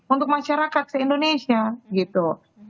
untuk masyarakat se indonesia gitu